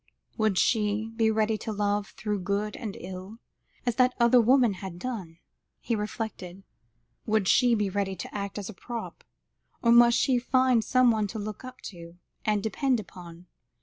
"Would she be ready to love through good and ill as that other woman had done?" he reflected; "would she be ready to act as a prop? or must she find someone to look up to, and depend upon?"